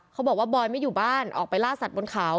เขาบอกว่าบอยไม่อยู่บ้านออกไปล่าสัตว์บนเขา